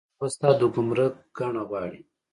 دا بسته د ګمرک ګڼه غواړي.